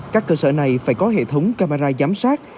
các cơ sở này phải có hệ thống camera giám sát